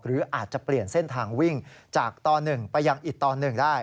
หรืออาจจะเปลี่ยนเส้นทางวิ่งจากตอนหนึ่งไปอย่างอีกตอนหนึ่งได้